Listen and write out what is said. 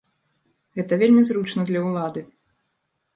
Гэта вельмі зручна для ўлады.